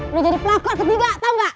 lu jadi pelakor ketiga tau gak